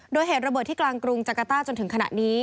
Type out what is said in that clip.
โดยเหตุระเบิดที่กลางกรุงจักรต้าจนถึงขณะนี้